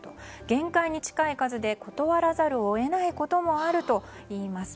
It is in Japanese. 限界に近い数で、断らざるを得ないこともあるといいます。